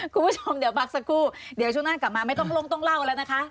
คุณผู้ชมเดี๋ยวพักสักครู่เดี๋ยวช่วงหน้ากลับมาไม่ต้องลงต้องเล่าแล้วนะคะ